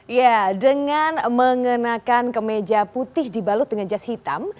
ya dengan mengenakan kemeja putih dibalut dengan jas hitam